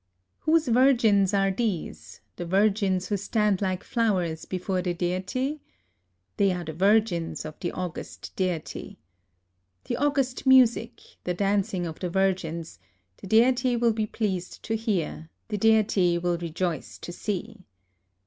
WTiose virgins are these, — the vir gins who stand lihe flowers before the Deity f They are the virgins of the august Deity. " The august music, the dancing of the virgins, — the Deity will he pleased to hear, the Deity will rejoice to see.